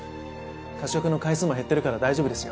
過食の回数も減ってるから大丈夫ですよ。